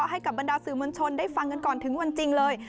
ให้กับบรรดาสื่อมวลชนได้ฟังกันก่อนถึงวันจริงเลย